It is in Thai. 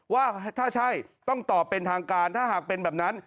ว่าถ้าใช่ต้องตอบเป็นทางการถ้าหากเป็นแบบนั้น